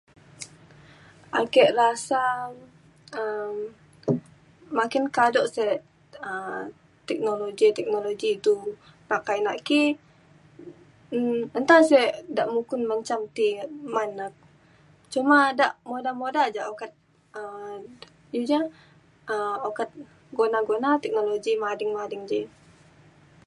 ake rasa um makin kado sek um teknologi teknologi du pakai nak ki. um nta sek da mukun menjam ti ma na. cuma dak muda muda ja ukat um iu ja um ukat guna guna teknologi mading mading ji